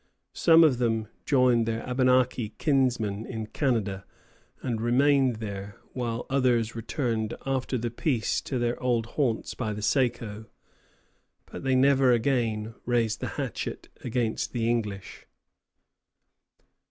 Some of them joined their Abenaki kinsmen in Canada and remained there, while others returned after the peace to their old haunts by the Saco; but they never again raised the hatchet against the English.